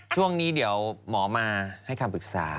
ช่วงนี้เดี๋ยวหมอมาให้คำปรึกษา